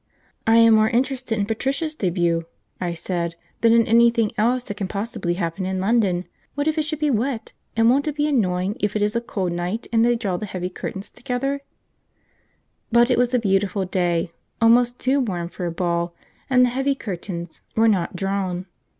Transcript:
"I am more interested in Patricia's debut," I said, "than anything else that can possibly happen in London. What if it should be wet, and won't it be annoying if it is a cold night and they draw the heavy curtains close together?" But it was beautiful day, almost too warm for a ball, and the heavy curtains were not drawn.